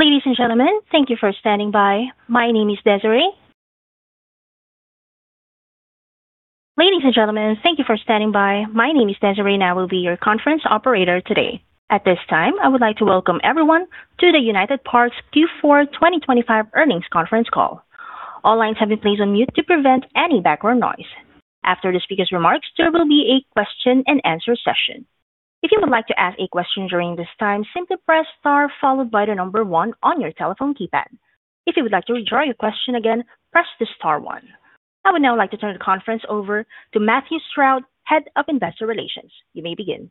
Ladies and gentlemen, thank you for standing by. My name is Desiree, and I will be your conference operator today. At this time, I would like to welcome everyone to the United Parks Q4 2025 earnings conference call. All lines have been placed on mute to prevent any background noise. After the speaker's remarks, there will be a Q&A session. If you would like to ask a question during this time, simply press Star followed by the number one on your telephone keypad. If you would like to withdraw your question again, press the Star one. I would now like to turn the conference over to Matthew Stroud, Head of Investor Relations. You may begin.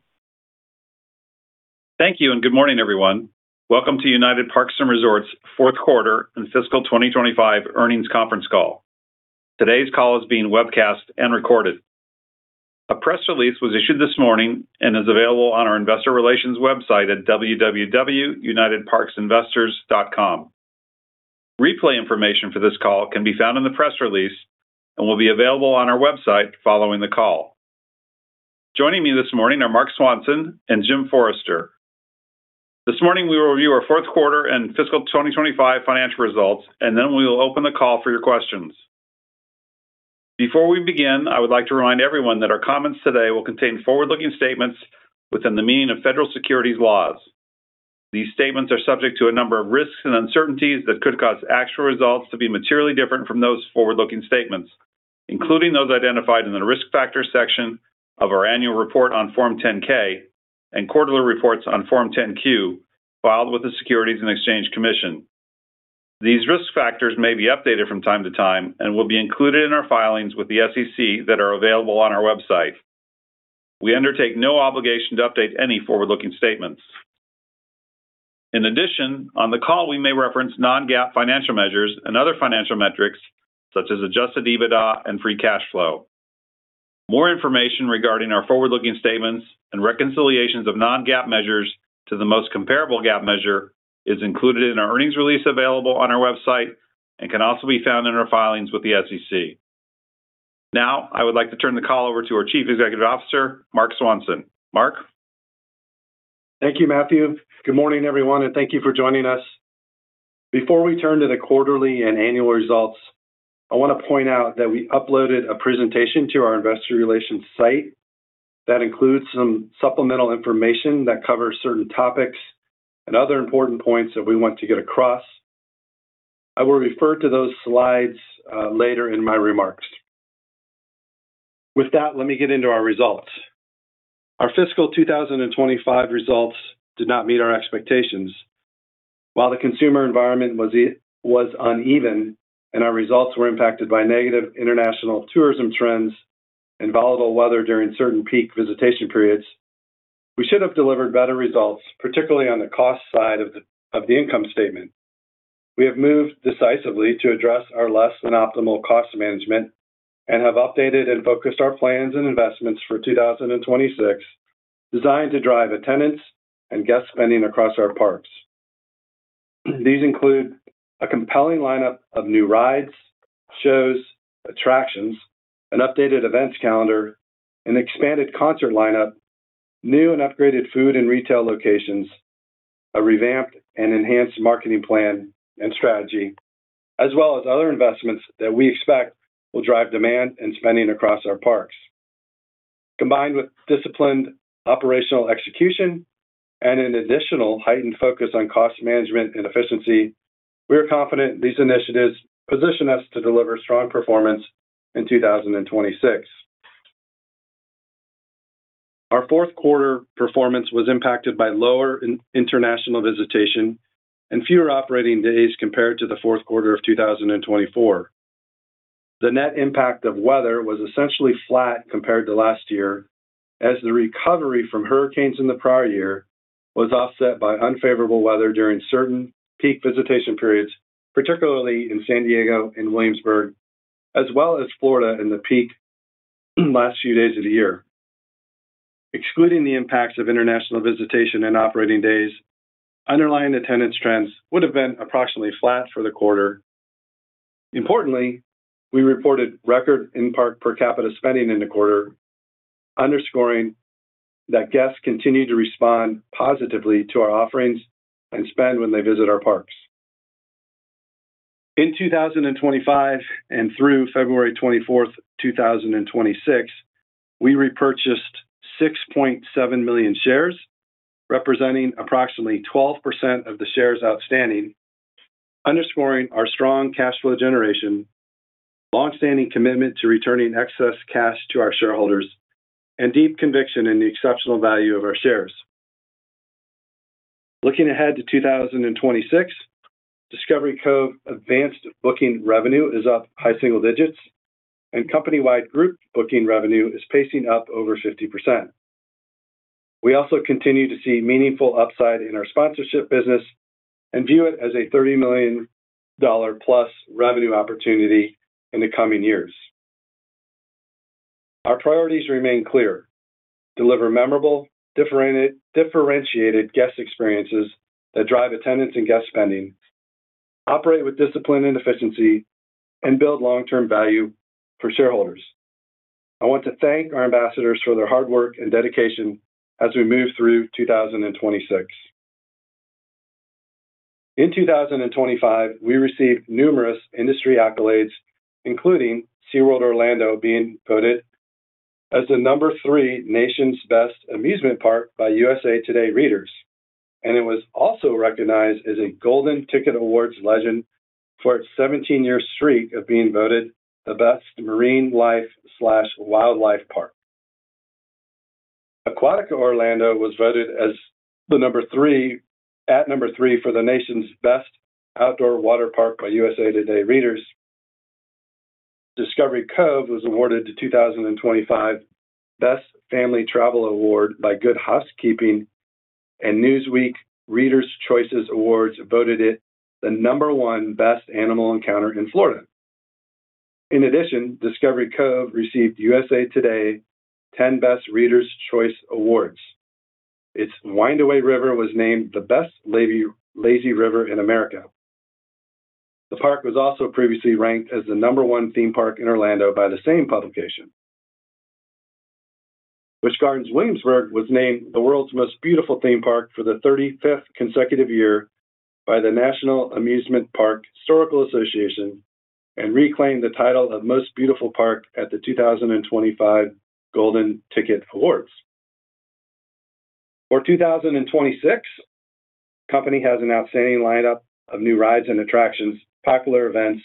Thank you. Good morning, everyone. Welcome to United Parks & Resorts Q4 and fiscal 2025 earnings conference call. Today's call is being webcast and recorded. A press release was issued this morning and is available on our investor relations website at www.unitedparksinvestors.com. Replay information for this call can be found in the press release and will be available on our website following the call. Joining me this morning are Marc Swanson and Jim Forrester. This morning, we will review our Q4 and fiscal 2025 financial results, and then we will open the call for your questions. Before we begin, I would like to remind everyone that our comments today will contain forward-looking statements within the meaning of federal securities laws. These statements are subject to a number of risks and uncertainties that could cause actual results to be materially different from those forward-looking statements, including those identified in the Risk Factors section of our annual report on Form 10-K and quarterly reports on Form 10-Q, filed with the Securities and Exchange Commission. These risk factors may be updated from time to time and will be included in our filings with the SEC that are available on our website. We undertake no obligation to update any forward-looking statements. In addition, on the call, we may reference non-GAAP financial measures and other financial metrics such as Adjusted EBITDA and free cash flow. More information regarding our forward-looking statements and reconciliations of non-GAAP measures to the most comparable GAAP measure is included in our earnings release available on our website and can also be found in our filings with the SEC. Now, I would like to turn the call over to our Chief Executive Officer, Marc Swanson. Marc? Thank you, Matthew. Good morning, everyone, thank you for joining us. Before we turn to the quarterly and annual results, I wanna point out that we uploaded a presentation to our investor relations site that includes some supplemental information that covers certain topics and other important points that we want to get across. I will refer to those slides later in my remarks. With that, let me get into our results. Our fiscal 2025 results did not meet our expectations. While the consumer environment was uneven and our results were impacted by negative international tourism trends and volatile weather during certain peak visitation periods, we should have delivered better results, particularly on the cost side of the income statement. We have moved decisively to address our less than optimal cost management and have updated and focused our plans and investments for 2026, designed to drive attendance and guest spending across our parks. These include a compelling lineup of new rides, shows, attractions, an updated events calendar, an expanded concert lineup, new and upgraded food and retail locations, a revamped and enhanced marketing plan and strategy, as well as other investments that we expect will drive demand and spending across our parks. Combined with disciplined operational execution and an additional heightened focus on cost management and efficiency, we are confident these initiatives position us to deliver strong performance in 2026. Our Q4 performance was impacted by lower international visitation and fewer operating days compared to the Q4 of 2024. The net impact of weather was essentially flat compared to last year, as the recovery from hurricanes in the prior year was offset by unfavorable weather during certain peak visitation periods, particularly in San Diego and Williamsburg, as well as Florida in the peak last few days of the year. Excluding the impacts of international visitation and operating days, underlying attendance trends would have been approximately flat for the quarter. Importantly, we reported record in-park per capita spending in the quarter, underscoring that guests continue to respond positively to our offerings and spend when they visit our parks. In 2025 and through February 24, 2026, we repurchased 6.7 million shares, representing approximately 12% of the shares outstanding, underscoring our strong cash flow generation, longstanding commitment to returning excess cash to our shareholders, and deep conviction in the exceptional value of our shares. Looking ahead to 2026, Discovery Cove advanced booking revenue is up high single digits, and company-wide group booking revenue is pacing up over 50%. We also continue to see meaningful upside in our sponsorship business and view it as a $30 million-plus revenue opportunity in the coming years. Our priorities remain clear: deliver memorable, differentiated guest experiences that drive attendance and guest spending. operate with discipline and efficiency, and build long-term value for shareholders. I want to thank our ambassadors for their hard work and dedication as we move through 2026. In 2025, we received numerous industry accolades, including SeaWorld Orlando being voted as the number three nation's best amusement park by USA Today readers, and it was also recognized as a Golden Ticket Awards Legend for its 17-year streak of being voted the best marine life/wildlife park. Aquatica Orlando was voted as the number three for the nation's best outdoor water park by USA Today readers. Discovery Cove was awarded the 2025 Best Family Travel Award by Good Housekeeping, and Newsweek Readers' Choice Awards voted it the number one best animal encounter in Florida. In addition, Discovery Cove received USA TODAY 10Best Readers' Choice Awards. Its Wind-Away River was named the best lazy river in America. The park was also previously ranked as the number one theme park in Orlando by the same publication. Busch Gardens Williamsburg was named the world's most beautiful theme park for the 35th consecutive year by the National Amusement Park Historical Association, and reclaimed the title of Most Beautiful Park at the 2025 Golden Ticket Awards. For 2026, the company has an outstanding lineup of new rides and attractions, popular events,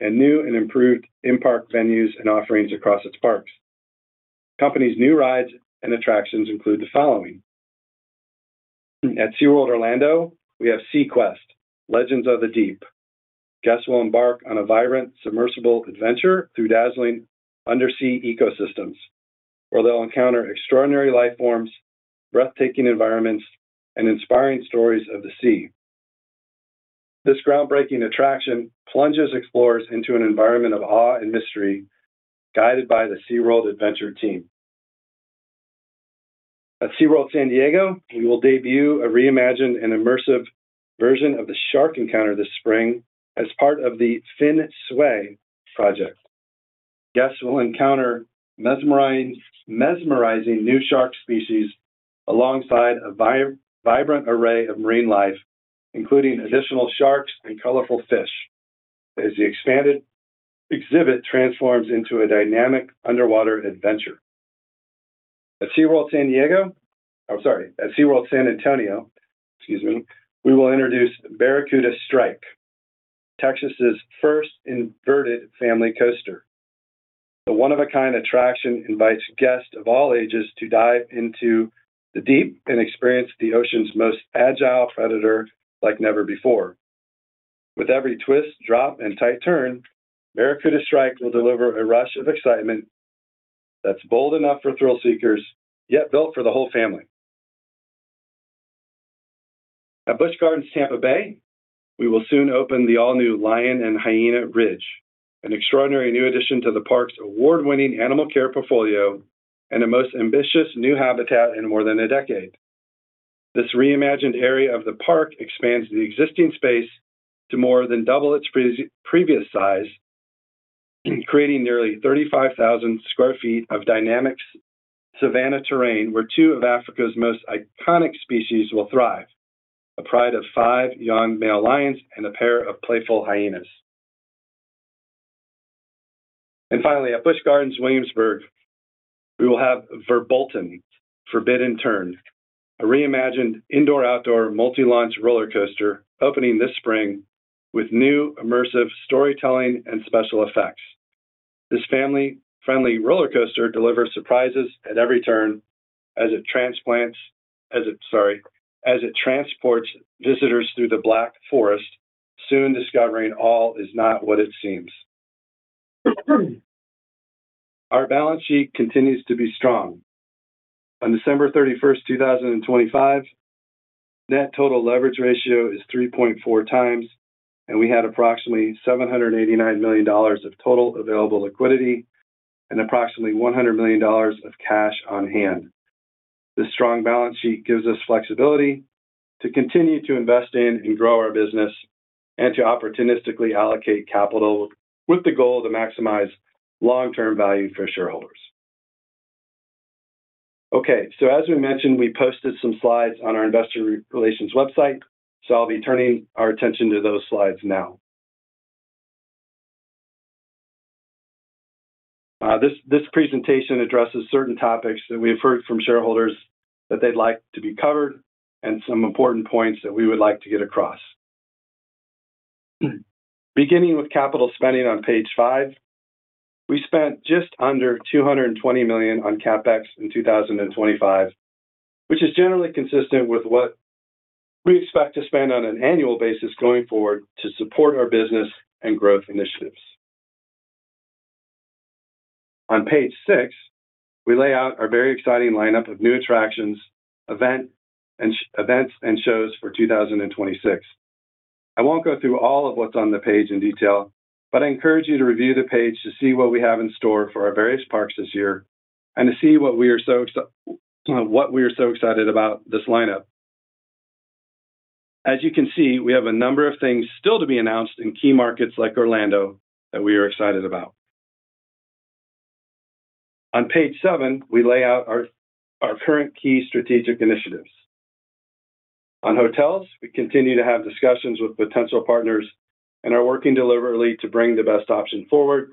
and new and improved in-park venues and offerings across its parks. Company's new rides and attractions include the following: at SeaWorld Orlando, we have SEAQuest: Legends of the Deep. Guests will embark on a vibrant, submersible adventure through dazzling undersea ecosystems, where they'll encounter extraordinary life forms, breathtaking environments, and inspiring stories of the sea. This groundbreaking attraction plunges explorers into an environment of awe and mystery, guided by the SeaWorld Adventure team. At SeaWorld San Diego, we will debut a reimagined and immersive version of the Shark Encounter this spring as part of the Fin Sway project. Guests will encounter mesmerizing new shark species alongside a vibrant array of marine life, including additional sharks and colorful fish, as the expanded exhibit transforms into a dynamic underwater adventure. Oh, sorry, at SeaWorld San Antonio, excuse me, we will introduce Barracuda Strike, Texas' first inverted family coaster. The one-of-a-kind attraction invites guests of all ages to dive into the deep and experience the ocean's most agile predator like never before. With every twist, drop, and tight turn, Barracuda Strike will deliver a rush of excitement that's bold enough for thrill-seekers, yet built for the whole family. At Busch Gardens Tampa Bay, we will soon open the all-new Lion & Hyena Ridge, an extraordinary new addition to the park's award-winning animal care portfolio and the most ambitious new habitat in more than a decade. This reimagined area of the park expands the existing space to more than double its previous size, creating nearly 35,000 sq ft of dynamic savannah terrain, where two of Africa's most iconic species will thrive: a pride of five young male lions and a pair of playful hyenas. Finally, at Busch Gardens Williamsburg, we will have Verbolten: Forbidden Turn, a reimagined indoor-outdoor, multi-launch roller coaster opening this spring with new immersive storytelling and special effects. This family-friendly roller coaster delivers surprises at every turn as it transports visitors through the Black Forest, soon discovering all is not what it seems. Our balance sheet continues to be strong. On December 31st, 2025, net total leverage ratio is 3.4x, and we had approximately $789 million of total available liquidity and approximately $100 million of cash on hand. This strong balance sheet gives us flexibility to continue to invest in and grow our business and to opportunistically allocate capital with the goal to maximize long-term value for shareholders. As we mentioned, we posted some slides on our investor relations website, so I'll be turning our attention to those slides now. This presentation addresses certain topics that we've heard from shareholders that they'd like to be covered and some important points that we would like to get across. Beginning with capital spending on page 5, we spent just under $220 million on CapEx in 2025, which is generally consistent with what we expect to spend on an annual basis going forward to support our business and growth initiatives. On page 6, we lay out our very exciting lineup of new attractions, events and shows for 2026. I won't go through all of what's on the page in detail, but I encourage you to review the page to see what we have in store for our various parks this year. To see what we are so excited about this lineup. As you can see, we have a number of things still to be announced in key markets like Orlando, that we are excited about. On page 7, we lay out our current key strategic initiatives. On hotels, we continue to have discussions with potential partners and are working deliberately to bring the best option forward.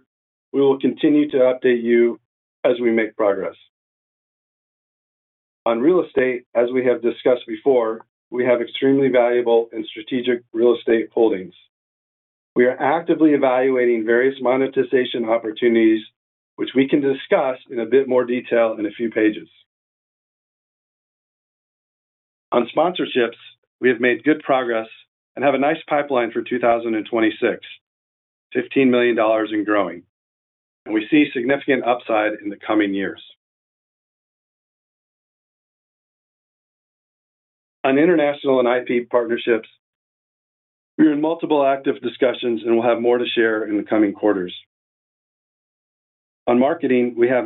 We will continue to update you as we make progress. On real estate, as we have discussed before, we have extremely valuable and strategic real estate holdings. We are actively evaluating various monetization opportunities, which we can discuss in a bit more detail in a few pages. On sponsorships, we have made good progress and have a nice pipeline for 2026, $15 million and growing, and we see significant upside in the coming years. On international and IP partnerships, we are in multiple active discussions and we'll have more to share in the coming quarters. On marketing, we have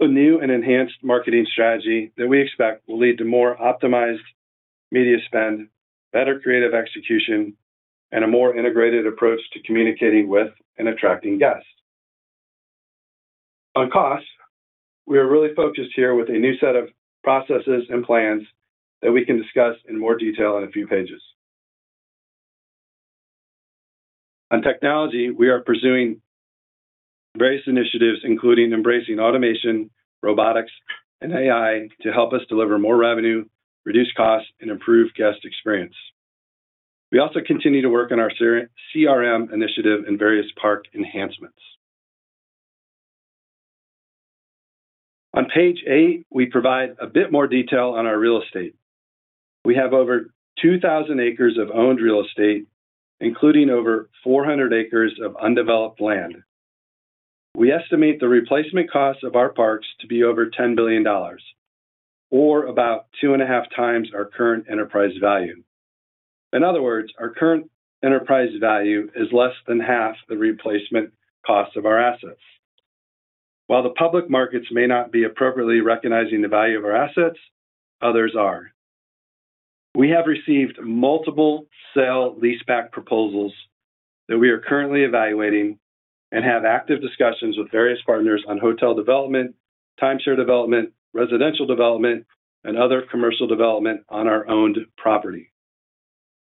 a new and enhanced marketing strategy that we expect will lead to more optimized media spend, better creative execution, and a more integrated approach to communicating with and attracting guests. On costs, we are really focused here with a new set of processes and plans that we can discuss in more detail in a few pages. On technology, we are pursuing various initiatives, including embracing automation, robotics, and AI, to help us deliver more revenue, reduce costs, and improve guest experience. We also continue to work on our CRM initiative and various park enhancements. On page 8, we provide a bit more detail on our real estate. We have over 2,000 acres of owned real estate, including over 400 acres of undeveloped land. We estimate the replacement cost of our parks to be over $10 billion, or about 2.5x our current enterprise value. In other words, our current enterprise value is less than half the replacement cost of our assets. While the public markets may not be appropriately recognizing the value of our assets, others are. We have received multiple sale-leaseback proposals that we are currently evaluating and have active discussions with various partners on hotel development, timeshare development, residential development, and other commercial development on our owned property.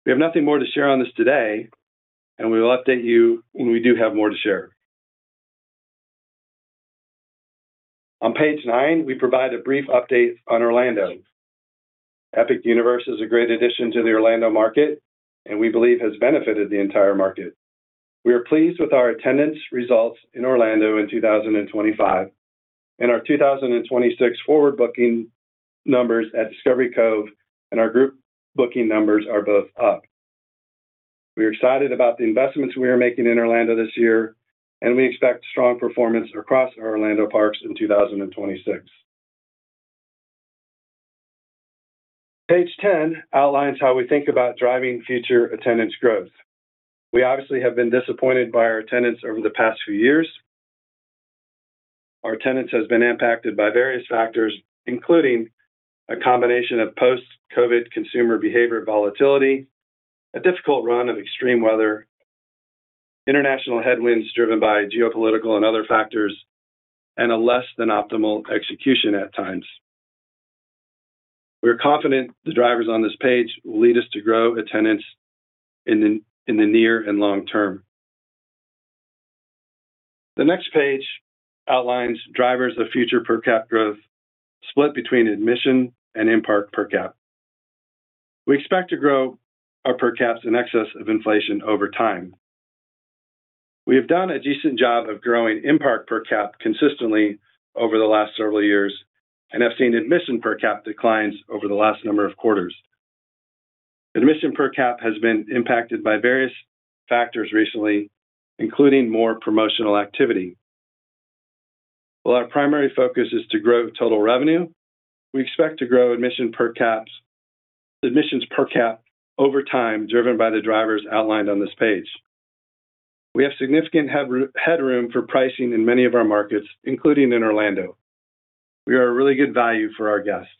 We have nothing more to share on this today. We will update you when we do have more to share. On page 9, we provide a brief update on Orlando. Epic Universe is a great addition to the Orlando market. We believe has benefited the entire market. We are pleased with our attendance results in Orlando in 2025, and our 2026 forward booking numbers at Discovery Cove and our group booking numbers are both up. We are excited about the investments we are making in Orlando this year, and we expect strong performance across our Orlando parks in 2026. Page 10 outlines how we think about driving future attendance growth. We obviously have been disappointed by our attendance over the past few years. Our attendance has been impacted by various factors, including a combination of post-COVID consumer behavior volatility, a difficult run of extreme weather, international headwinds driven by geopolitical and other factors, and a less than optimal execution at times. We are confident the drivers on this page will lead us to grow attendance in the near and long-term. The next page outlines drivers of future per cap growth, split between admission and in-park per cap. We expect to grow our per caps in excess of inflation over time. We have done a decent job of growing in-park per cap consistently over the last several years. We have seen admission per cap declines over the last number of quarters. Admission per cap has been impacted by various factors recently, including more promotional activity. While our primary focus is to grow total revenue, we expect to grow admission per cap over time, driven by the drivers outlined on this page. We have significant headroom for pricing in many of our markets, including in Orlando. We are a really good value for our guests.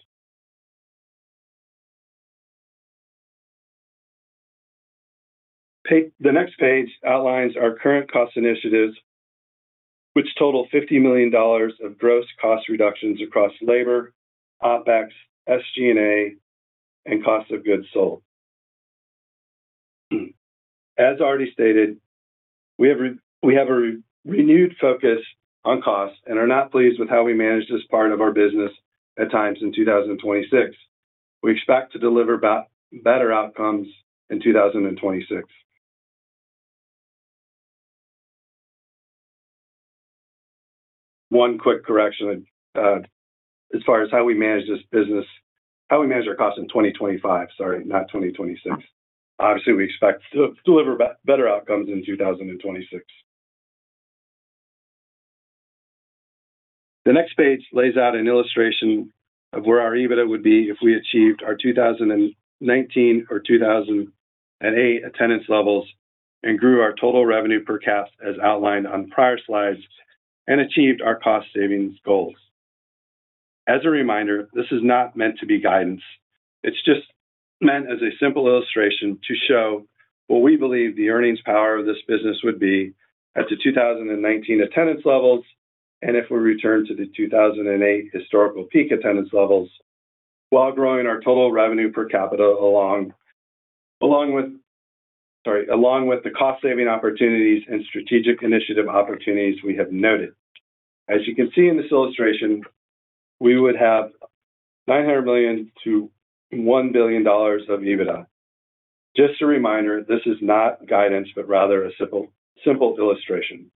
The next page outlines our current cost initiatives, which total $50 million of gross cost reductions across labor, OpEx, SG&A, and cost of goods sold. As already stated, we have a renewed focus on costs and are not pleased with how we managed this part of our business at times in 2026. We expect to deliver better outcomes in 2026. One quick correction, as far as how we manage this business, how we manage our costs in 2025, sorry, not 2026. Obviously, we expect to deliver better outcomes in 2026. The next page lays out an illustration of where our EBITDA would be if we achieved our 2019 or 2008 attendance levels.... Grew our total revenue per capita as outlined on prior slides, and achieved our cost savings goals. As a reminder, this is not meant to be guidance. It's just meant as a simple illustration to show what we believe the earnings power of this business would be at the 2019 attendance levels, and if we return to the 2008 historical peak attendance levels, while growing our total revenue per capita along with the cost-saving opportunities and strategic initiative opportunities we have noted. As you can see in this illustration, we would have $900 million-$1 billion of EBITDA. Just a reminder, this is not guidance, but rather a simple illustration.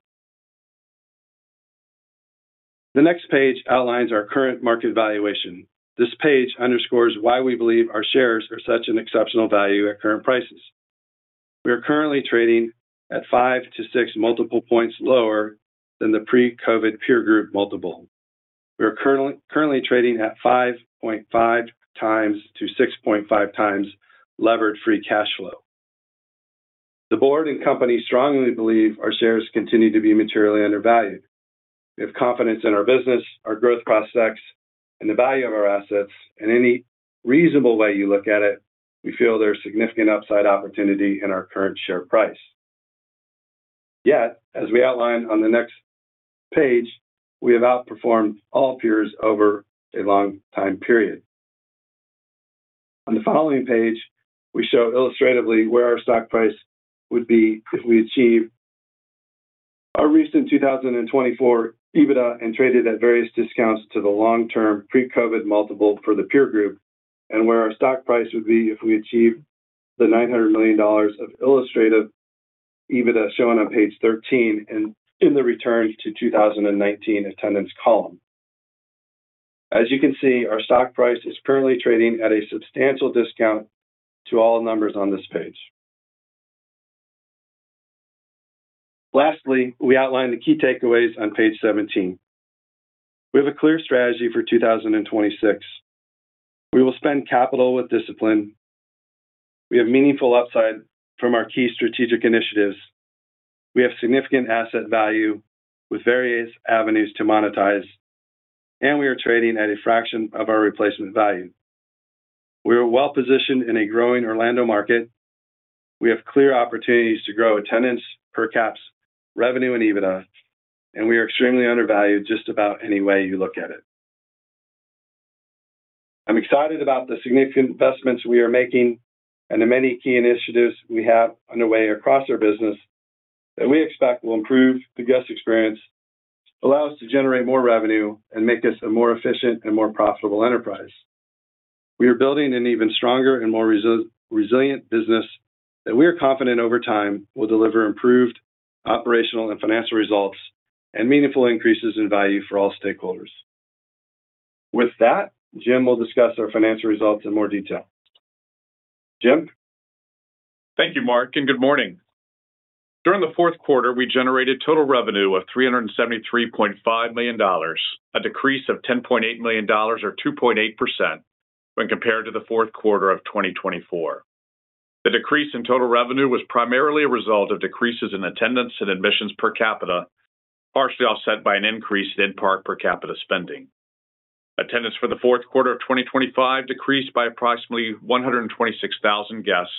The next page outlines our current market valuation. This page underscores why we believe our shares are such an exceptional value at current prices. We are currently trading at 5-6 multiple points lower than the pre-COVID peer group multiple. We are currently trading at 5.5x-6.5x levered free cash flow. The board and company strongly believe our shares continue to be materially undervalued. We have confidence in our business, our growth prospects, and the value of our assets. Any reasonable way you look at it, we feel there's significant upside opportunity in our current share price. As we outlined on the next page, we have outperformed all peers over a long time period. On the following page, we show illustratively where our stock price would be if we achieve our recent 2024 EBITDA and traded at various discounts to the long-term pre-COVID multiple for the peer group, and where our stock price would be if we achieve the $900 million of illustrative EBITDA shown on page 13 in the return to 2019 attendance column. As you can see, our stock price is currently trading at a substantial discount to all numbers on this page. Lastly, we outline the key takeaways on page 17. We have a clear strategy for 2026. We will spend capital with discipline. We have meaningful upside from our key strategic initiatives. We have significant asset value with various avenues to monetize, and we are trading at a fraction of our replacement value. We are well positioned in a growing Orlando market. We have clear opportunities to grow attendance, per caps, revenue, and EBITDA, and we are extremely undervalued just about any way you look at it. I'm excited about the significant investments we are making and the many key initiatives we have underway across our business, that we expect will improve the guest experience, allow us to generate more revenue, and make us a more efficient and more profitable enterprise. We are building an even stronger and more resilient business that we are confident over time will deliver improved operational and financial results, and meaningful increases in value for all stakeholders. With that, Jim will discuss our financial results in more detail. Jim? Thank you, Marc. Good morning. During the Q4, we generated total revenue of $373.5 million, a decrease of $10.8 million or 2.8% when compared to the Q4 of 2024. The decrease in total revenue was primarily a result of decreases in attendance and admission per capita, partially offset by an increase in in-park per capita spending. Attendance for the Q4 of 2025 decreased by approximately 126,000 guests,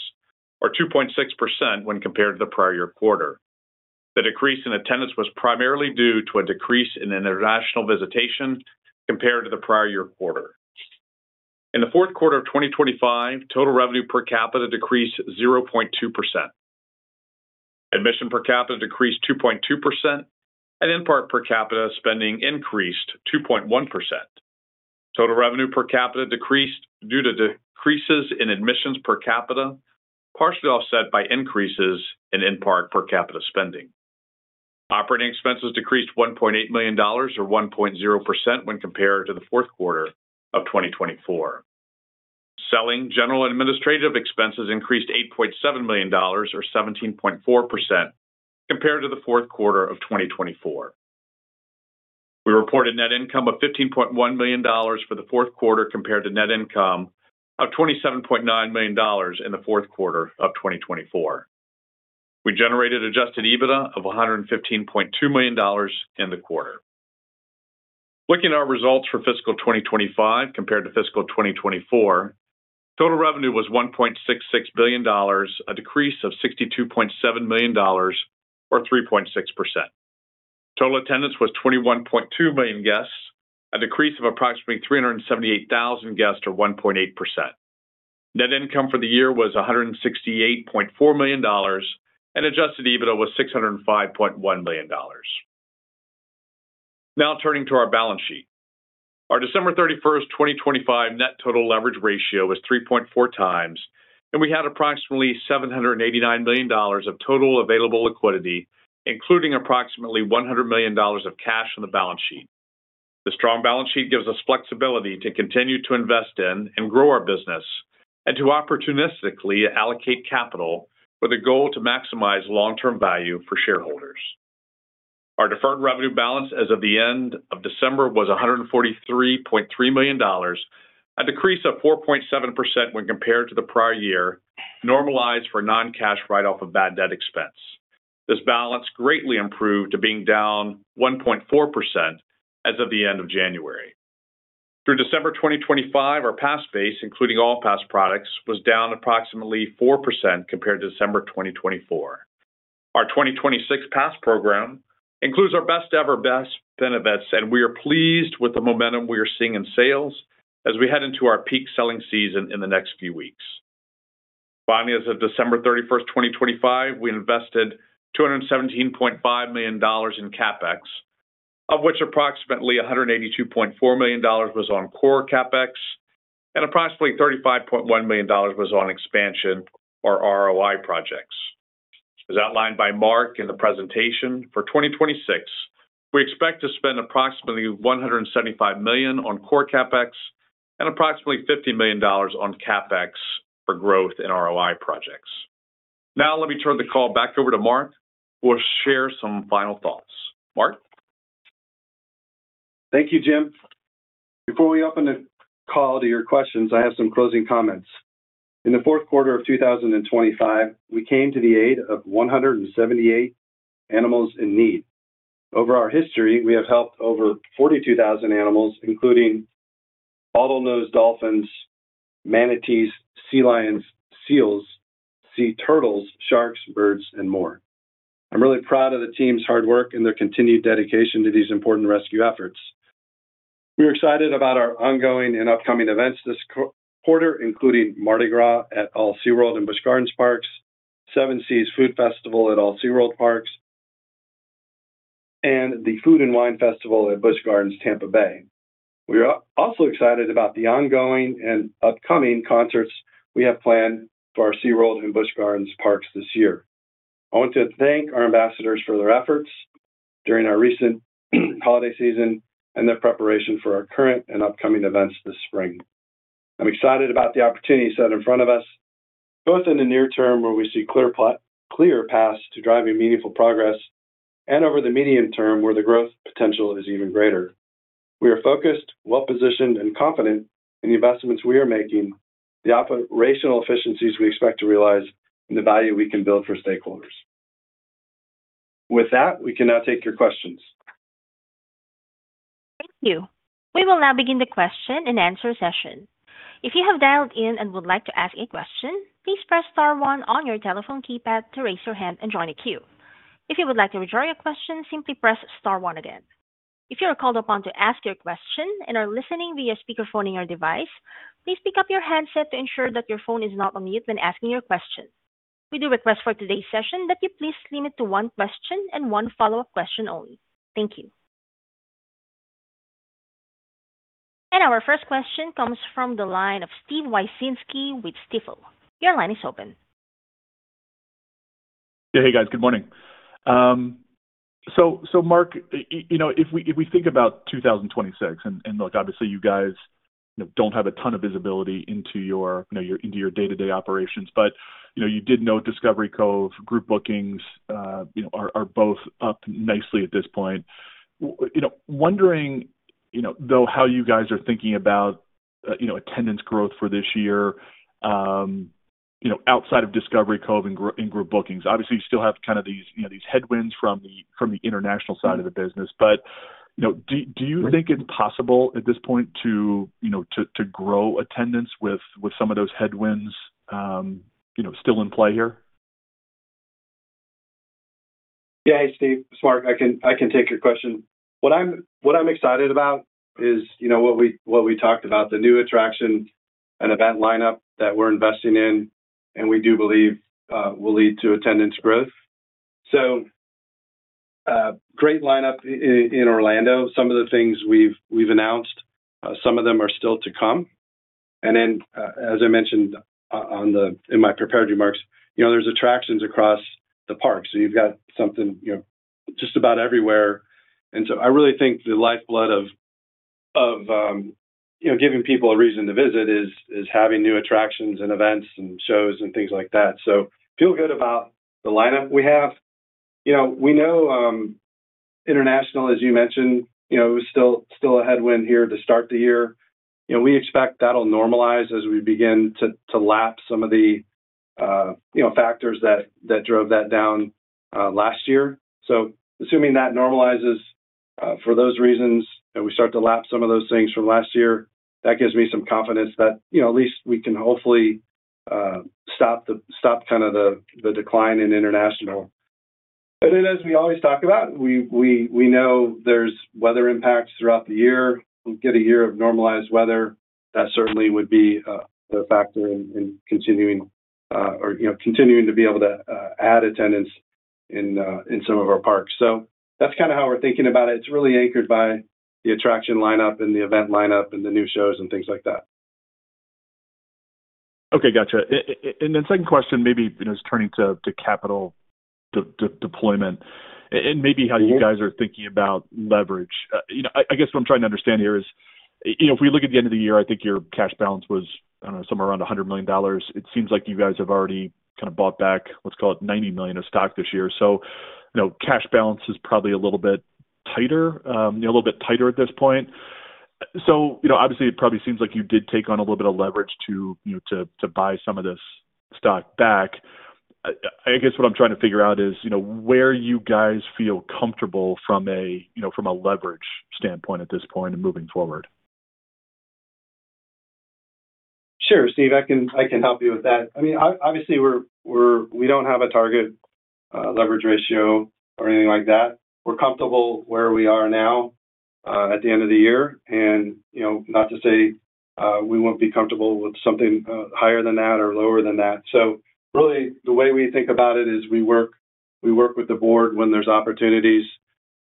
or 2.6% when compared to the prior year quarter. The decrease in attendance was primarily due to a decrease in international visitation compared to the prior year quarter. In the Q4 of 2025, total revenue per capita decreased 0.2%. Admission per capita decreased 2.2%. In-park per capita spending increased 2.1%. Total revenue per capita decreased due to decreases in admissions per capita, partially offset by increases in in-park per capita spending. Operating expenses decreased $1.8 million, or 1.0%, when compared to the Q4 of 2024. Selling General Administrative Expenses increased $8.7 million, or 17.4%, compared to the Q4 of 2024. We reported net income of $15.1 million for the Q4, compared to net income of $27.9 million in the Q4 of 2024. We generated Adjusted EBITDA of $115.2 million in the quarter. Looking at our results for fiscal 2025 compared to fiscal 2024, total revenue was $1.66 billion, a decrease of $62.7 million or 3.6%. Total attendance was 21.2 million guests, a decrease of approximately 378,000 guests, or 1.8%. Net income for the year was $168.4 million. Adjusted EBITDA was $605.1 million. Turning to our balance sheet. Our December 31, 2025 net total leverage ratio was 3.4x. We had approximately $789 million of total available liquidity, including approximately $100 million of cash on the balance sheet. The strong balance sheet gives us flexibility to continue to invest in and grow our business, and to opportunistically allocate capital with a goal to maximize long-term value for shareholders. Our deferred revenue balance as of the end of December was $143.3 million, a decrease of 4.7% when compared to the prior year, normalized for non-cash write-off of bad debt expense. This balance greatly improved to being down 1.4% as of the end of January. Through December 2025, our pass base, including all pass products, was down approximately 4% compared to December 2024. Our 2026 Pass program includes our best ever, best benefits, and we are pleased with the momentum we are seeing in sales as we head into our peak selling season in the next few weeks. Finally, as of December 31, 2025, we invested $217.5 million in CapEx, of which approximately $182.4 million was on core CapEx, and approximately $35.1 million was on expansion or ROI projects. As outlined by Marc in the presentation, for 2026, we expect to spend approximately $175 million on core CapEx and approximately $50 million on CapEx for growth in ROI projects. Now, let me turn the call back over to Marc, who will share some final thoughts. Marc? Thank you, Jim. Before we open the call to your questions, I have some closing comments. In the Q4 of 2025, we came to the aid of 178 animals in need. Over our history, we have helped over 42,000 animals, including bottlenose dolphins, manatees, sea lions, seals, sea turtles, sharks, birds, and more. I'm really proud of the team's hard work and their continued dedication to these important rescue efforts. We are excited about our ongoing and upcoming events this quarter, including Mardi Gras at all SeaWorld and Busch Gardens parks, Seven Seas Food Festival at all SeaWorld parks, and the Food & Wine Festival at Busch Gardens, Tampa Bay. We are also excited about the ongoing and upcoming concerts we have planned for our SeaWorld and Busch Gardens parks this year. I want to thank our ambassadors for their efforts during our recent holiday season and their preparation for our current and upcoming events this spring. I'm excited about the opportunities set in front of us, both in the near term, where we see clear paths to driving meaningful progress, and over the medium term, where the growth potential is even greater. We are focused, well-positioned, and confident in the investments we are making, the operational efficiencies we expect to realize, and the value we can build for stakeholders. With that, we can now take your questions. Thank you. We will now begin the Q&A session. If you have dialed in and would like to ask a question, please press star one on your telephone keypad to raise your hand and join the queue. If you would like to withdraw your question, simply press star one again. If you are called upon to ask your question and are listening via speakerphone in your device, please pick up your handset to ensure that your phone is not on mute when asking your question. We do request for today's session that you please limit to one question and one follow-up question only. Thank you. Our first question comes from the line of Steven Wieczynski with Stifel. Your line is open. Hey, guys. Good morning. Marc, you know, if we think about 2026, and look, obviously, you guys don't have a ton of visibility into your, you know, into your day-to-day operations, but, you know, you did note Discovery Cove group bookings, you know, are both up nicely at this point. You know, wondering, you know, though, how you guys are thinking about, you know, attendance growth for this year, you know, outside of Discovery Cove and group bookings. Obviously, you still have kind of these, you know, these headwinds from the international side of the business, you know, do you think it's possible at this point to, you know, to grow attendance with some of those headwinds, you know, still in play here? Steve, it's Marc. I can take your question. What I'm excited about is, you know, what we talked about, the new attraction and event lineup that we're investing in, and we do believe will lead to attendance growth. Great lineup in Orlando. Some of the things we've announced, some of them are still to come. As I mentioned in my prepared remarks, you know, there's attractions across the park, so you've got something, you know, just about everywhere. I really think the lifeblood of, you know, giving people a reason to visit is having new attractions and events and shows and things like that. Feel good about the lineup we have. You know, we know, international, as you mentioned, you know, is still a headwind here to start the year. You know, we expect that'll normalize as we begin to lap some of the, you know, factors that drove that down last year. Assuming that normalizes for those reasons, and we start to lap some of those things from last year, that gives me some confidence that, you know, at least we can hopefully stop kind of the decline in international. As we always talk about, we know there's weather impacts throughout the year. We get a year of normalized weather, that certainly would be a factor in continuing, or, you know, continuing to be able to add attendance in some of our parks. That's kind of how we're thinking about it. It's really anchored by the attraction lineup and the event lineup and the new shows and things like that. Okay, gotcha. Second question, maybe, you know, is turning to capital deployment, and maybe how you guys are thinking about leverage. You know, I guess what I'm trying to understand here is. You know, if we look at the end of the year, I think your cash balance was, I don't know, somewhere around $100 million. It seems like you guys have already kind of bought back, let's call it, $90 million of stock this year. You know, cash balance is probably a little bit tighter at this point. You know, obviously, it probably seems like you did take on a little bit of leverage to, you know, to buy some of this stock back. I guess what I'm trying to figure out is, you know, where you guys feel comfortable from a leverage standpoint at this point and moving forward? Sure, Steve, I can help you with that. I mean, obviously, we don't have a target leverage ratio or anything like that. We're comfortable where we are now at the end of the year, and, you know, not to say we won't be comfortable with something higher than that or lower than that. Really, the way we think about it is we work with the board when there's opportunities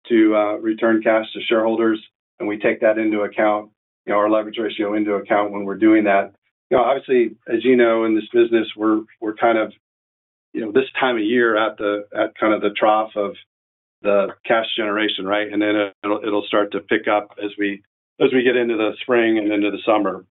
to return cash to shareholders, and we take that into account, you know, our leverage ratio into account when we're doing that. You know, obviously, as you know, in this business, we're kind of, you know, this time of year at kind of the trough of the cash generation, right? It'll start to pick up as we get into the spring and into the summer.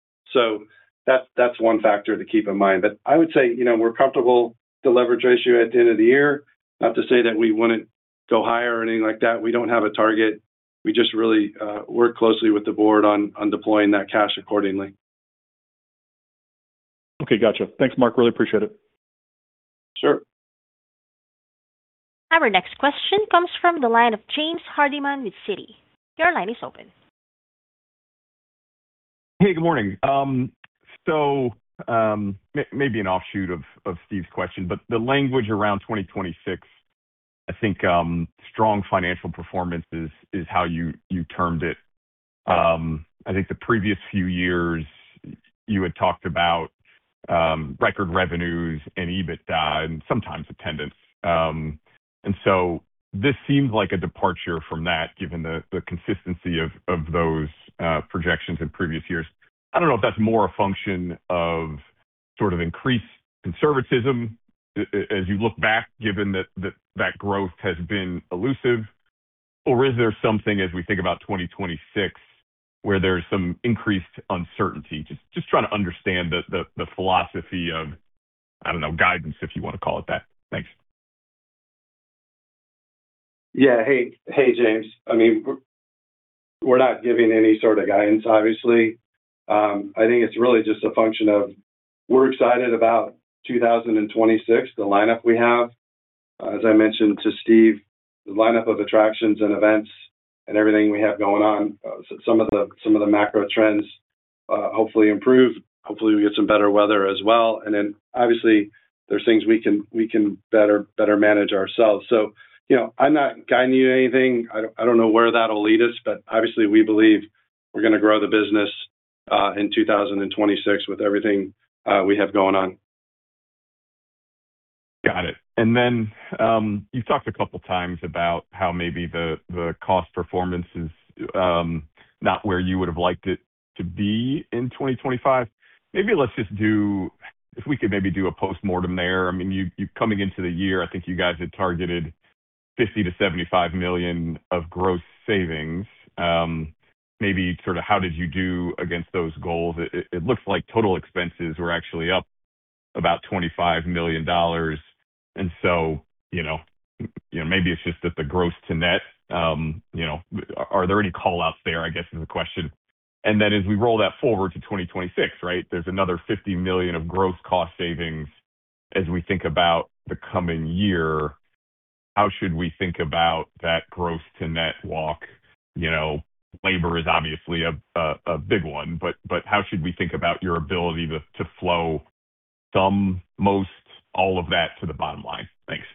That's one factor to keep in mind. I would say, you know, we're comfortable with the leverage ratio at the end of the year. Not to say that we wouldn't go higher or anything like that. We don't have a target. We just really work closely with the board on deploying that cash accordingly. Okay, gotcha. Thanks, Marc. Really appreciate it. Sure. Our next question comes from the line of James Hardiman with Citi. Your line is open. Hey, good morning. Maybe an offshoot of Steve's question, but the language around 2026, I think, strong financial performance is how you termed it. I think the previous few years, you had talked about record revenues and EBITDA and sometimes attendance. This seems like a departure from that, given the consistency of those projections in previous years. I don't know if that's more a function of sort of increased conservatism, as you look back, given that growth has been elusive, or is there something, as we think about 2026, where there's some increased uncertainty? Just trying to understand the philosophy of, I don't know, guidance, if you want to call it that. Thanks. Hey, James. I mean, we're not giving any sort of guidance, obviously. I think it's really just a function of we're excited about 2026, the lineup we have. As I mentioned to Steve, the lineup of attractions and events and everything we have going on, some of the macro trends, hopefully improve. Hopefully, we get some better weather as well. obviously, there's things we can better manage ourselves. you know, I'm not guiding you to anything. I don't know where that will lead us, but obviously, we believe we're gonna grow the business in 2026 with everything we have going on. Got it. Then, you talked a couple of times about how maybe the cost performance is not where you would have liked it to be in 2025. Maybe let's just if we could maybe do a postmortem there. I mean, you coming into the year, I think you guys had targeted $50 million-$75 million of gross savings. Maybe sort of how did you do against those goals? It, it looks like total expenses were actually up about $25 million, and so, you know, maybe it's just that the gross to net, you know, are there any call-outs there, I guess, is the question. Then as we roll that forward to 2026, right? There's another $50 million of gross cost savings as we think about the coming year, how should we think about that gross to net walk? You know, labor is obviously a big one, but how should we think about your ability to flow some, most, all of that to the bottom line? Thanks.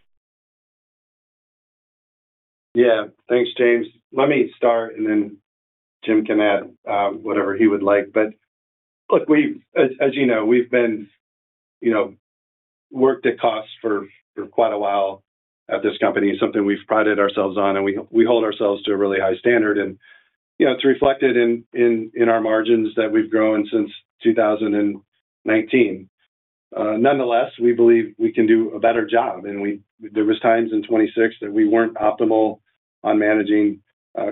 Thanks, James. Let me start, and then Jim can add whatever he would like. Look, as you know, we've been, you know, worked at costs for quite a while at this company, something we've prided ourselves on, and we hold ourselves to a really high standard. You know, it's reflected in our margins that we've grown since 2019. Nonetheless, we believe we can do a better job, and there was times in 2026 that we weren't optimal on managing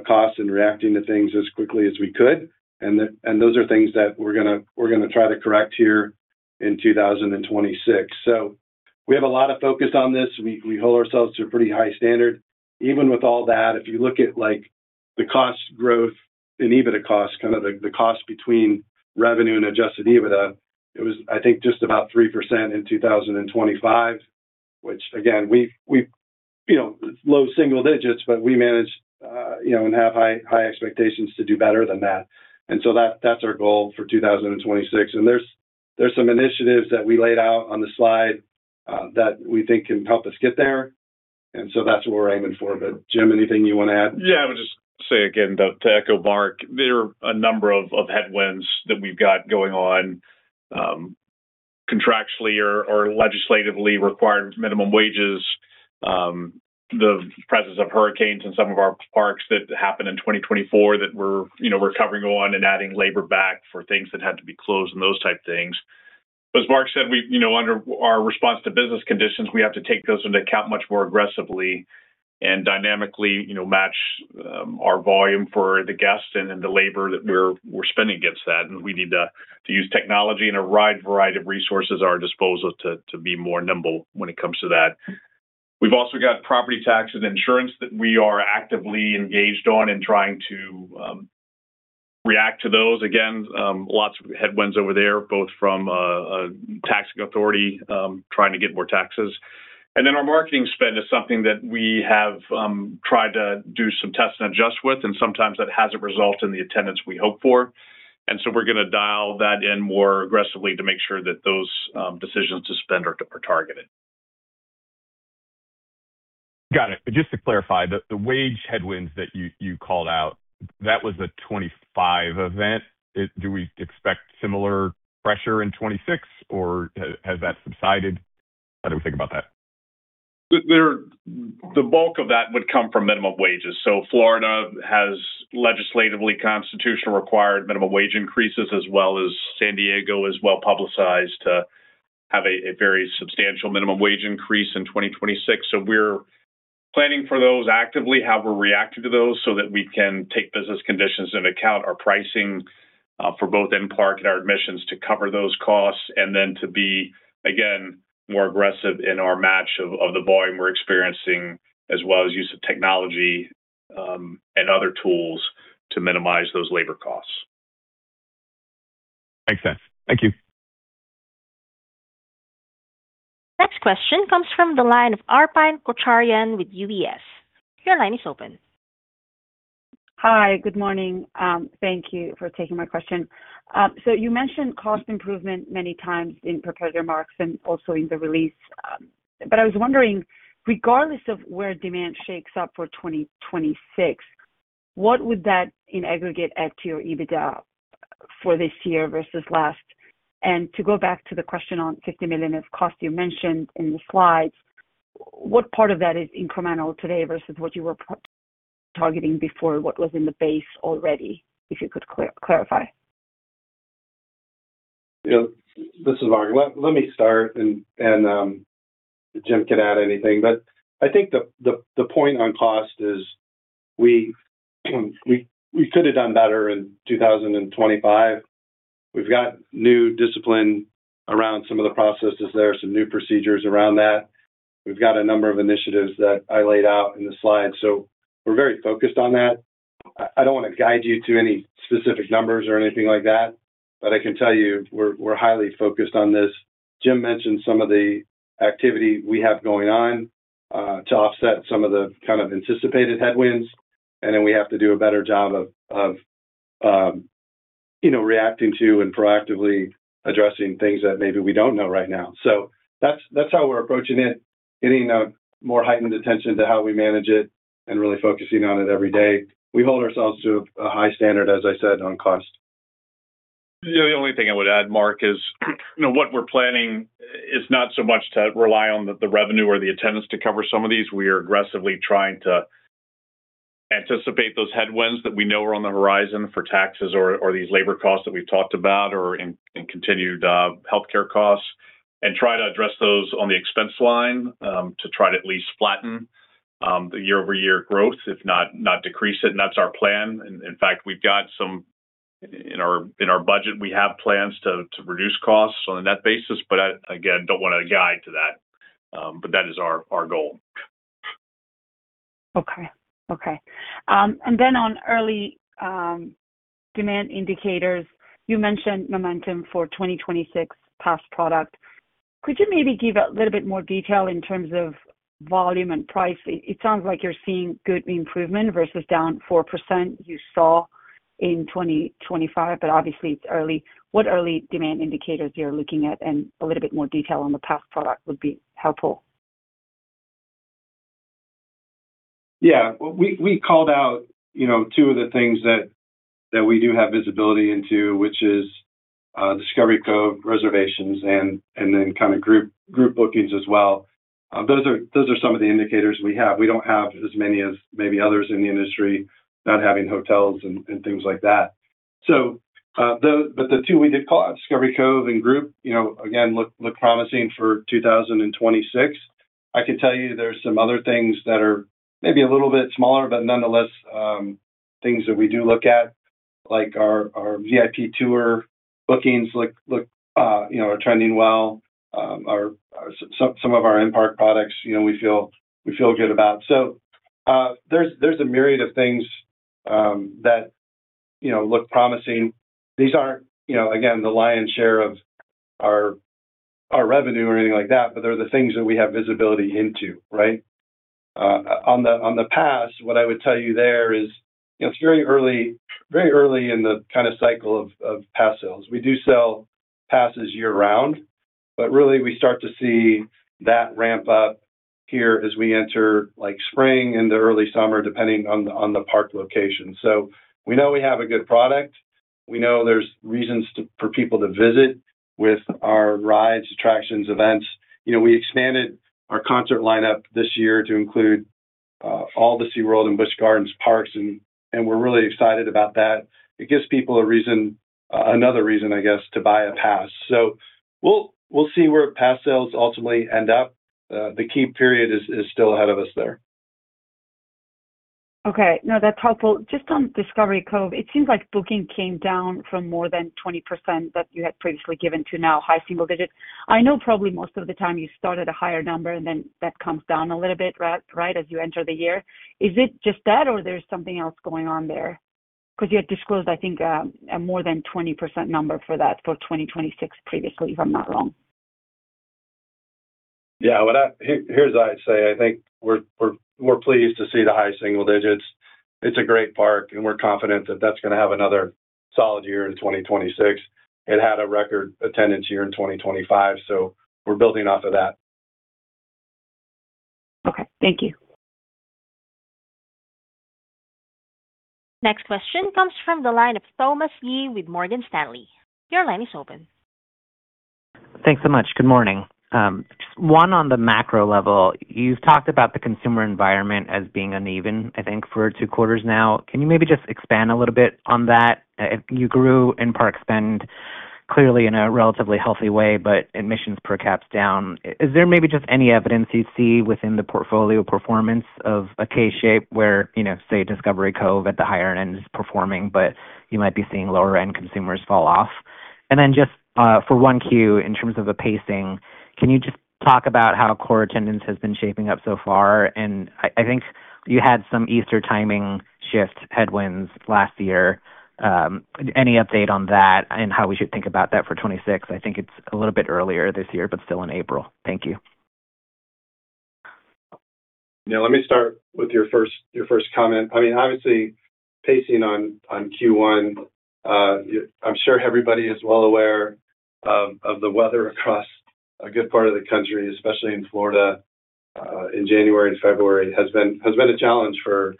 costs and reacting to things as quickly as we could. Those are things that we're gonna, we're gonna try to correct here in 2026. We have a lot of focus on this. We hold ourselves to a pretty high standard. Even with all that, if you look at like the cost growth and EBITDA costs, kind of the cost between revenue and Adjusted EBITDA, it was, I think, just about 3% in 2025, which again, we've, you know, low single digits, but we managed, you know, and have high expectations to do better than that. That's our goal for 2026. There's some initiatives that we laid out on the slide that we think can help us get there, and so that's what we're aiming for. Jim, anything you want to add? Yeah, I would just say again, to echo Marc, there are a number of headwinds that we've got going on, contractually or legislatively required minimum wages, the presence of hurricanes in some of our parks that happened in 2024 that we're, you know, recovering on and adding labor back for things that had to be closed and those type things. As Marc said, we, you know, under our response to business conditions, we have to take those into account much more aggressively and dynamically, you know, match our volume for the guests and then the labor that we're spending against that. We need to use technology and a wide variety of resources at our disposal to be more nimble when it comes to that. We've also got property tax and insurance that we are actively engaged on in trying to react to those. Again, lots of headwinds over there, both from a taxing authority, trying to get more taxes. Our marketing spend is something that we have tried to do some tests and adjust with, and sometimes that hasn't result in the attendance we hope for, we're gonna dial that in more aggressively to make sure that those decisions to spend are targeted. Got it. Just to clarify, the wage headwinds that you called out, that was a 2025 event. Do we expect similar pressure in 2026, or has that subsided? How do we think about that? The bulk of that would come from minimum wages. Florida has legislatively constitutionally required minimum wage increases, as well as San Diego is well-publicized to have a very substantial minimum wage increase in 2026. We're planning for those actively, how we're reacting to those, so that we can take business conditions into account, our pricing, for both in-park and our admissions to cover those costs, and then to be, again, more aggressive in our match of the volume we're experiencing, as well as use of technology, and other tools to minimize those labor costs. Makes sense. Thank you. Next question comes from the line of Arpine Kocharian with UBS. Your line is open. Hi, good morning. Thank you for taking my question. You mentioned cost improvement many times in prepared remarks and also in the release. I was wondering, regardless of where demand shakes up for 2026, what would that in aggregate add to your EBITDA for this year versus last? To go back to the question on $50 million of cost you mentioned in the slides, what part of that is incremental today versus what you were targeting before, what was in the base already? If you could clarify. Yeah, this is Marc. Let me start and Jim can add anything. I think the point on cost is we could have done better in 2025. We've got new discipline around some of the processes there, some new procedures around that. We've got a number of initiatives that I laid out in the slide, so we're very focused on that. I don't want to guide you to any specific numbers or anything like that, but I can tell you we're highly focused on this. Jim mentioned some of the activity we have going on to offset some of the kind of anticipated headwinds, and then we have to do a better job of, you know, reacting to and proactively addressing things that maybe we don't know right now. That's how we're approaching it, getting a more heightened attention to how we manage it and really focusing on it every day. We hold ourselves to a high standard, as I said, on cost. Yeah, the only thing I would add, Marc, is, you know, what we're planning is not so much to rely on the revenue or the attendance to cover some of these. We are aggressively trying to anticipate those headwinds that we know are on the horizon for taxes or these labor costs that we've talked about, or in continued healthcare costs, and try to address those on the expense line to try to at least flatten the year-over-year growth, if not decrease it. That's our plan. In fact, we've got some in our budget, we have plans to reduce costs on a net basis, but I, again, don't want to guide to that. That is our goal. Okay. On early demand indicators, you mentioned momentum for 2026 pass product. Could you maybe give a little bit more detail in terms of volume and price? It sounds like you're seeing good improvement versus down 4% you saw in 2025, obviously it's early. What early demand indicators you're looking at, a little bit more detail on the pass product would be helpful? Yeah, we called out, you know, two of the things that we do have visibility into, which is Discovery Cove reservations and then kind of group bookings as well. Those are some of the indicators we have. We don't have as many as maybe others in the industry, not having hotels and things like that. But the two we did call out, Discovery Cove and group, you know, again, look promising for 2026. I can tell you there's some other things that are maybe a little bit smaller, but nonetheless, things that we do look at, like our VIP tour bookings look, you know, are trending well. Our, some of our in-park products, you know, we feel good about. There's a myriad of things that, you know, look promising. These aren't, you know, again, the lion's share of our revenue or anything like that, but they're the things that we have visibility into, right? On the pass, what I would tell you there is, you know, it's very early in the kind of cycle of pass sales. We do sell passes year-round, but really we start to see that ramp up here as we enter, like spring into early summer, depending on the park location. We know we have a good product. We know there's reasons for people to visit with our rides, attractions, events. You know, we expanded our concert lineup this year to include all the SeaWorld and Busch Gardens parks, and we're really excited about that. It gives people a reason, another reason, I guess, to buy a pass. We'll see where pass sales ultimately end up. The key period is still ahead of us there. Okay, no, that's helpful. Just on Discovery Cove, it seems like booking came down from more than 20% that you had previously given to now high single digits. I know probably most of the time you start at a higher number, and then that comes down a little bit, right, as you enter the year. Is it just that, or there's something else going on there? Because you had disclosed, I think, a more than 20% number for that for 2026 previously, if I'm not wrong. Well, here's what I say: I think we're pleased to see the high single digits. It's a great park. We're confident that that's gonna have another solid year in 2026. It had a record attendance year in 2025. We're building off of that. Okay. Thank you. Next question comes from the line of Thomas Yeh with Morgan Stanley. Your line is open. Thanks so much. Good morning. One, on the macro level, you've talked about the consumer environment as being uneven, I think, for two quarters now. Can you maybe just expand a little bit on that? You grew in-park spend, clearly in a relatively healthy way, but admissions per caps down. Is there maybe just any evidence you see within the portfolio performance of a K-shaped where, you know, say, Discovery Cove at the higher end is performing, but you might be seeing lower-end consumers fall off? Then just, for 1Q, in terms of the pacing, can you just talk about how core attendance has been shaping up so far? I think you had some Easter timing shift headwinds last year. Any update on that and how we should think about that for 2026? I think it's a little bit earlier this year, but still in April. Thank you. Yeah, let me start with your first comment. I mean, obviously, pacing on Q1, I'm sure everybody is well aware of the weather across a good part of the country, especially in Florida, in January and February, has been a challenge for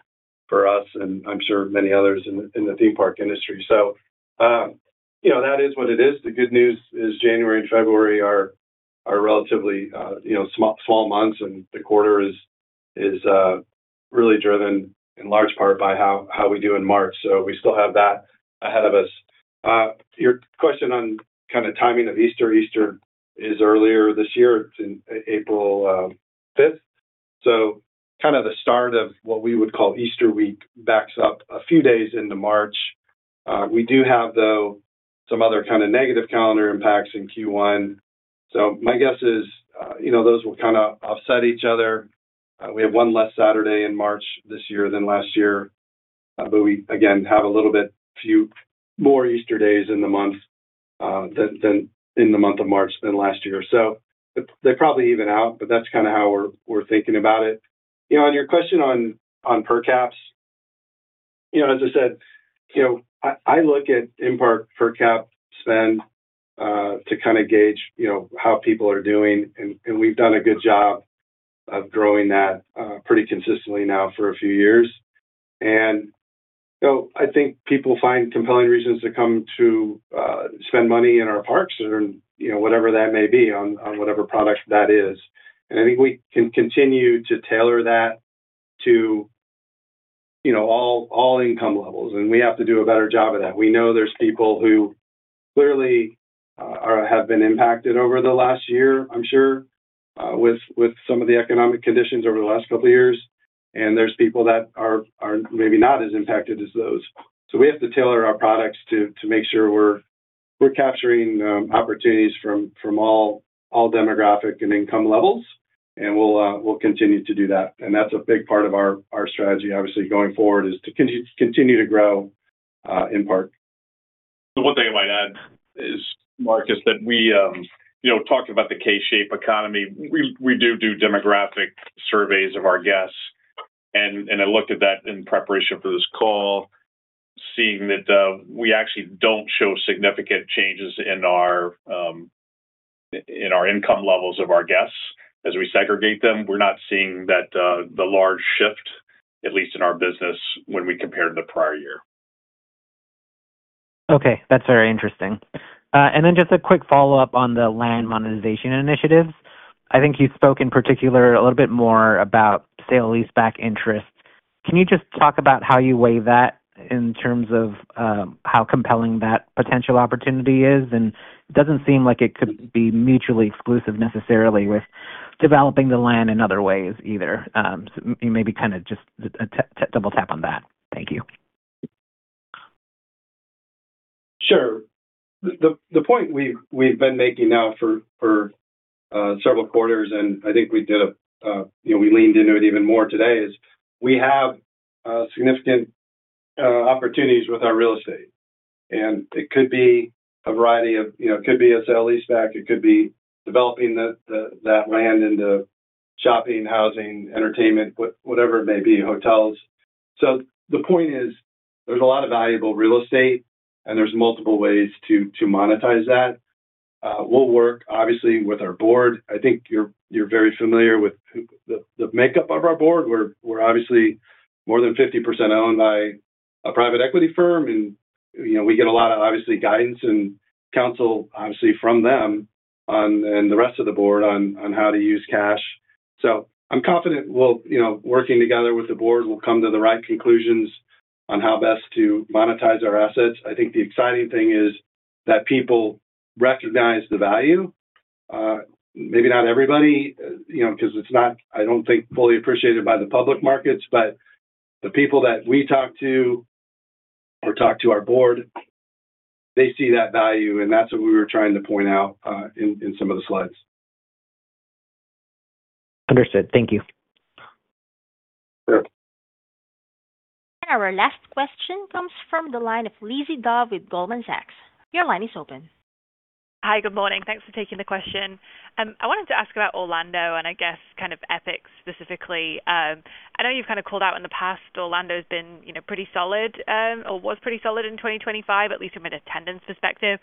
us, and I'm sure many others in the theme park industry. You know, that is what it is. The good news is January and February are relatively, you know, small months, and the quarter is really driven in large part by how we do in March. We still have that ahead of us. Your question on kind of timing of Easter. Easter is earlier this year, it's in April 5th. Kind of the start of what we would call Easter week backs up a few days into March. We do have, though, some other kind of negative calendar impacts in Q1. My guess is, you know, those will kinda offset each other. We have one less Saturday in March this year than last year, but we again, have a little bit few more Easter days in the month than in the month of March than last year. They probably even out, but that's kinda how we're thinking about it. You know, on your question on per cap, you know, as I said, you know, I look at in part per capita spending, to kind of gauge, you know, how people are doing, and we've done a good job of growing that, pretty consistently now for a few years. I think people find compelling reasons to come to, spend money in our parks or, you know, whatever that may be, on whatever product that is. I think we can continue to tailor that to, you know, all income levels, and we have to do a better job of that. We know there's people who clearly have been impacted over the last year, I'm sure, with some of the economic conditions over the last couple of years, and there's people that are maybe not as impacted as those. We have to tailor our products to make sure we're capturing opportunities from all demographic and income levels, and we'll continue to do that. That's a big part of our strategy, obviously, going forward, is to continue to grow in part. One thing I might add is, Marc, is that we, you know, talked about the K-shaped economy. We do demographic surveys of our guests, and I looked at that in preparation for this call, seeing that we actually don't show significant changes in our in our income levels of our guests as we segregate them. We're not seeing that the large shift, at least in our business, when we compare to the prior year. Okay, that's very interesting. Just a quick follow-up on the land monetization initiatives. I think you spoke in particular a little bit more about sale-leaseback interest. Can you just talk about how you weigh that in terms of, how compelling that potential opportunity is? It doesn't seem like it could be mutually exclusive necessarily with developing the land in other ways either. Maybe kind of just a double tap on that. Thank you. Sure. The point we've been making now for several quarters, and I think we did a, you know, we leaned into it even more today, is we have significant opportunities with our real estate. It could be a variety of, you know, it could be a sale-leaseback, it could be developing that land into shopping, housing, entertainment, whatever it may be, hotels. The point is, there's a lot of valuable real estate, and there's multiple ways to monetize that. We'll work, obviously, with our board. I think you're very familiar with the makeup of our board. more than 50% owned by a private equity firm, and, you know, we get a lot of, obviously, guidance and counsel, obviously, from them on, and the rest of the board on how to use cash. I'm confident we'll, you know, working together with the board, we'll come to the right conclusions on how best to monetize our assets. I think the exciting thing is that people recognize the value. Maybe not everybody, you know, 'cause it's not, I don't think, fully appreciated by the public markets, but the people that we talk to or talk to our board, they see that value, and that's what we were trying to point out, in some of the slides. Understood. Thank you. Sure. Our last question comes from the line of Lizzie Dove with Goldman Sachs. Your line is open. Hi, good morning. Thanks for taking the question. I wanted to ask about Orlando, and I guess kind of Epic specifically. I know you've kind of called out in the past, Orlando's been, you know, pretty solid, or was pretty solid in 2025, at least from an attendance perspective.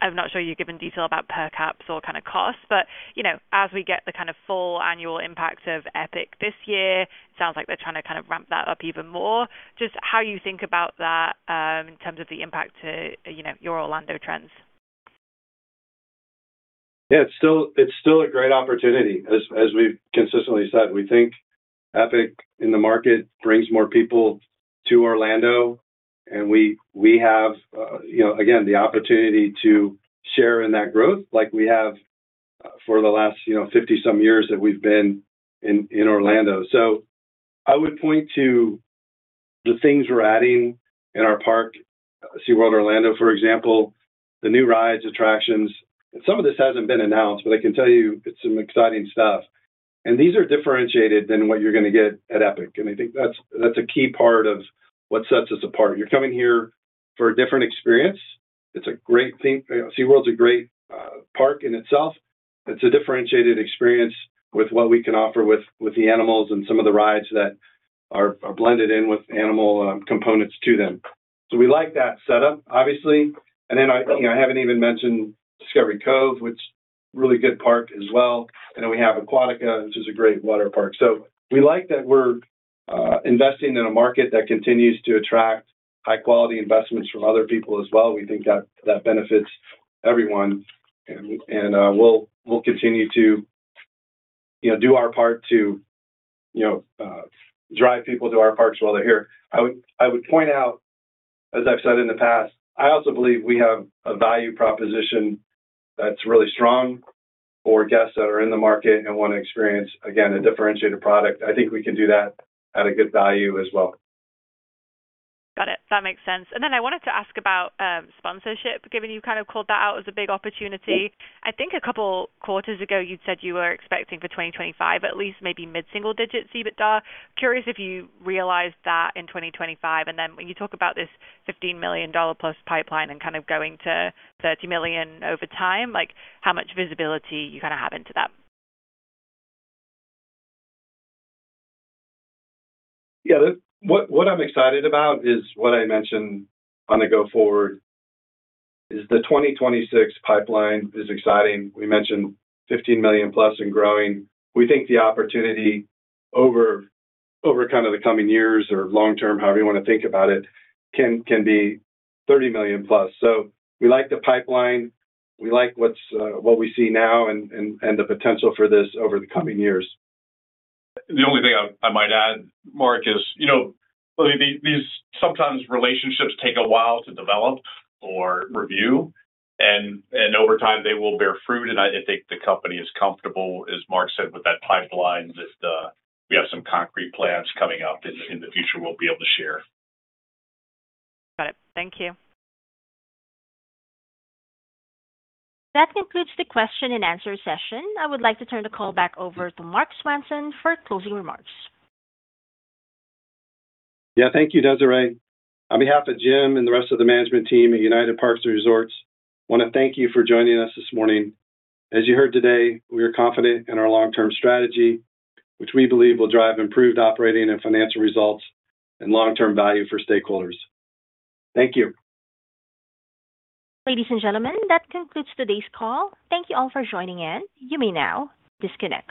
I'm not sure you've given detail about per caps or kind of costs, but, you know, as we get the kind of full annual impacts of Epic this year, sounds like they're trying to kind of ramp that up even more. Just how you think about that, in terms of the impact to, you know, your Orlando trends? Yeah, it's still a great opportunity. As we've consistently said, we think Epic in the market brings more people to Orlando, and we have, you know, again, the opportunity to share in that growth like we have for the last, you know, 50 some years that we've been in Orlando. I would point to the things we're adding in our park, SeaWorld Orlando, for example, the new rides, attractions. Some of this hasn't been announced, but I can tell you it's some exciting stuff. These are differentiated than what you're going to get at Epic, and I think that's a key part of what sets us apart. You're coming here for a different experience. It's a great SeaWorld's a great park in itself. It's a differentiated experience with what we can offer with the animals and some of the rides that are blended in with animal components to them. We like that setup, obviously. I, you know, I haven't even mentioned Discovery Cove, which really good park as well. We have Aquatica, which is a great water park. We like that we're investing in a market that continues to attract high-quality investments from other people as well. We think that benefits everyone, and we'll continue to, you know, do our part to, you know, drive people to our parks while they're here. I would point out, as I've said in the past, I also believe we have a value proposition that's really strong for guests that are in the market and want to experience, again, a differentiated product. I think we can do that at a good value as well. Got it. That makes sense. I wanted to ask about sponsorship, given you kind of called that out as a big opportunity. I think a couple quarters ago, you'd said you were expecting for 2025, at least maybe mid-single digit, EBITDA. Curious if you realized that in 2025, and then when you talk about this $15 million-plus pipeline and kind of going to $30 million over time, like, how much visibility you kind of have into that? Yeah. What I'm excited about is what I mentioned on the go forward, is the 2026 pipeline is exciting. We mentioned $15 million-plus and growing. We think the opportunity over kind of the coming years or long-term, however you want to think about it, can be $30 million-plus. We like the pipeline, we like what's what we see now and the potential for this over the coming years. The only thing I might add, Marc, is, you know, well, these sometimes relationships take a while to develop or review, and over time, they will bear fruit. I think the company is comfortable, as Marc said, with that pipeline, that we have some concrete plans coming up in the future we'll be able to share. Got it. Thank you. That concludes the Q&A session. I would like to turn the call back over to Marc Swanson for closing remarks. Yeah, thank you, Desiree. On behalf of Jim and the rest of the management team at United Parks & Resorts, I want to thank you for joining us this morning. As you heard today, we are confident in our long-term strategy, which we believe will drive improved operating and financial results and long-term value for stakeholders. Thank you. Ladies and gentlemen, that concludes today's call. Thank you all for joining in. You may now disconnect.